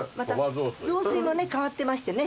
雑炊もね変わってましてね